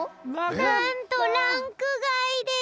なんとランクがいです。